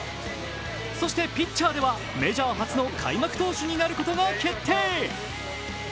そしてピッチャーではメジャー初の開幕投手になることが決定。